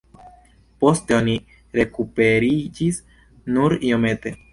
Poste oni rekuperiĝis nur iomete.